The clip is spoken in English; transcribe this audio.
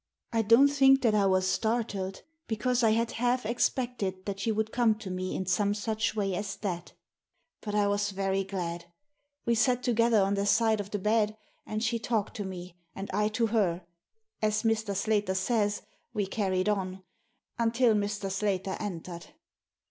I don't think that I was startled, because I had half expected that she would come to me in some such way as that But I was very glad. We sat together on the side of the bed, and she talked to me and I to her — as Mr. Slater says, we carried on — until Mr. Slater entered."